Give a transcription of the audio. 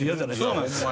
そうなんですよ。